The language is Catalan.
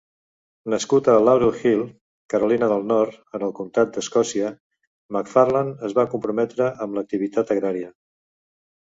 Nascut a Laurel Hill, Carolina del Nord en el comtat d'Escòcia, McFarlan es va comprometre amb l'activitat agrària.